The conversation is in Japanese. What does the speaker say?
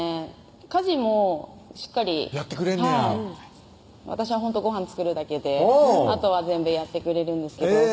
家事もしっかりやってくれんねや私はほんとごはん作るだけであとは全部やってくれるんですけど